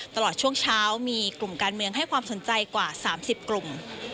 ตลอดช่วงเช้ามีกลุ่มการเมืองให้ความสนใจกว่า๓๐กลุ่ม